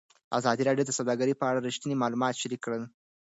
ازادي راډیو د سوداګري په اړه رښتیني معلومات شریک کړي.